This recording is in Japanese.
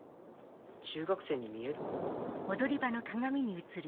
中学生に見える？